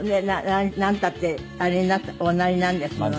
なんたってあれになったおなりなんですものね。